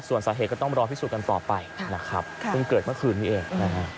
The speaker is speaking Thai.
ส่วนสาเหตุก็ต้องรอพิสูจน์กันต่อไปนะครับเพิ่งเกิดเมื่อคืนนี้เองนะฮะ